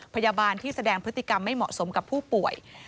พยาบาลที่แสดงพฤติกรรมไม่เหมาะสมกับผู้ป่วย